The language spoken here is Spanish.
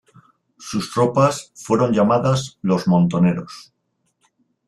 Sus tropas fueron llamadas los "montoneros".